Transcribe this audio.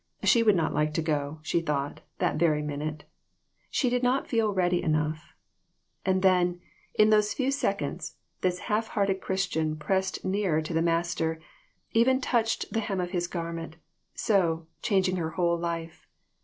She would not like to go, she thought, that very minute. She did not feel ready enough. And then, in those few seconds, this half hearted Chris tian pressed nearer to the Master even touched the hem of his garment, so, changing her whole life.